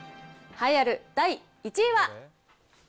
栄えある第１位は。